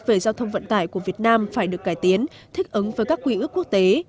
về giao thông vận tải của việt nam phải được cải tiến thích ứng với các quy ước quốc tế